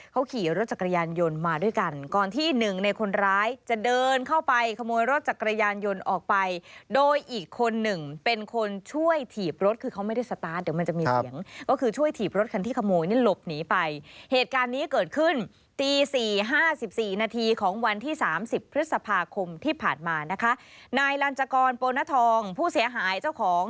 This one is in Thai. เขาขี่รถจักรยานยนต์มาด้วยกัน